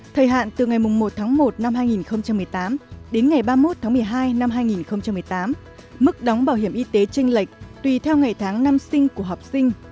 thời hạn từ ngày một tháng một năm hai nghìn một mươi tám đến ngày ba mươi một tháng một mươi hai năm hai nghìn một mươi tám mức đóng bảo hiểm y tế tranh lệch tùy theo ngày tháng năm sinh của học sinh